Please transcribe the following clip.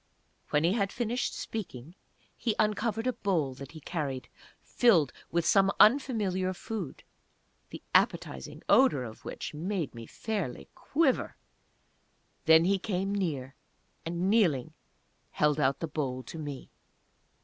When he had finished speaking he uncovered a bowl that he carried filled with some unfamiliar food, the appetizing odour of which made me fairly quiver! Then he came near, and kneeling, held out the bowl to me.